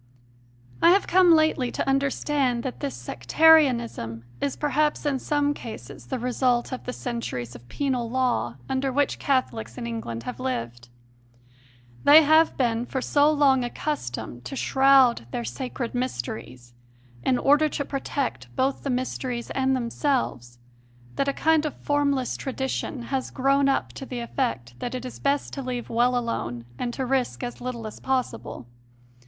I have come lately to understand that this Sec tarianism is perhaps in some cases the result of the centuries of penal law under which Catholics in England have lived. They have been for so long CONFESSIONS OF A CONVERT 145 accustomed to shroud their sacred mysteries, in order to protect both the mysteries and themselves, that a kind of formless tradition has grown up to the effect that it is best to leave well alone and to risk as little as possible.